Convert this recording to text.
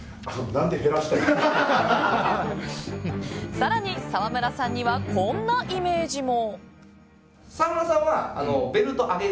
更に、沢村さんにはこんなイメージも。